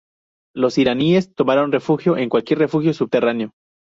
Los iraníes tomaron refugio en cualquier refugio subterráneo.